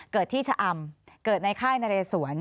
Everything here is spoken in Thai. เกิดที่ชะอำเกิดในค่ายนเรสวน